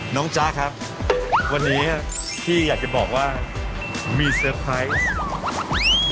จ๊ะครับวันนี้พี่อยากจะบอกว่ามีเซอร์ไพรส์